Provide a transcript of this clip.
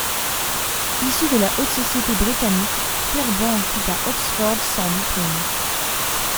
Issu de la haute société britannique, Firbank quitta Oxford sans diplôme.